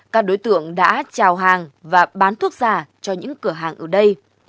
các đối tượng đã trào hàng và bán thuốc giả cho những cửa hàng ở đây